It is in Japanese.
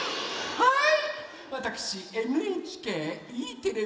はい！